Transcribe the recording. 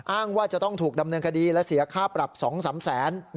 อ้างว่าจะต้องถูกดำเนินคดีและเสียค่าปรับ๒๓แสน